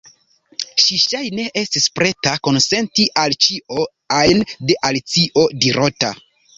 Ŝi ŝajne estis preta konsenti al ĉio ajn de Alicio dirota.